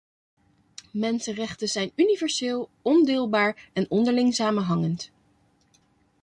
Mensenrechten zijn universeel, ondeelbaar en onderling samenhangend.